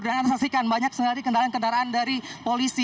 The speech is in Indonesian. dan anda saksikan banyak sekali kendaraan kendaraan dari polisi